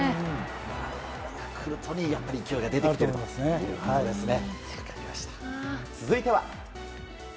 ヤクルトにやっぱり勢いが出てきているということですね。